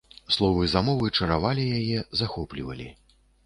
Словы замовы чаравалі яе, захоплівалі.